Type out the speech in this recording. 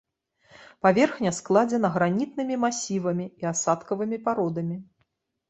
Паверхня складзена гранітнымі масівамі і асадкавымі пародамі.